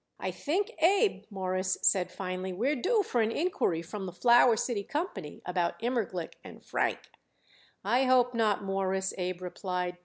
"I think, Abe," Morris said finally, "we're due for an inquiry from the Flower City Company about Immerglick & Frank." "I hope not, Mawruss," Abe replied.